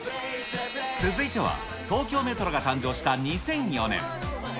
続いては、東京メトロが誕生した２００４年。